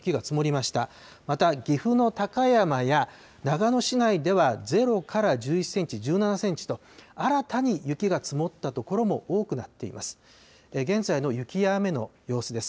また岐阜の高山や長野市内では０から１１センチ、１７センチ、新たに雪が積もった所も多くなっています。